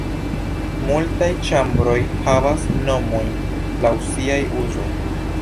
Multaj ĉambroj havas nomojn laŭ siaj uzo.